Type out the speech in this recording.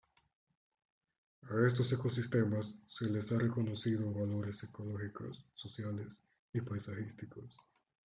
A estos ecosistemas se les ha reconocido valores ecológicos, sociales y paisajísticos.